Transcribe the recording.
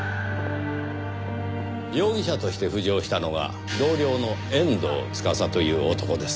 容疑者として浮上したのが同僚の遠藤司という男です。